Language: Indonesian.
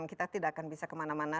kita tidak akan bisa kemana mana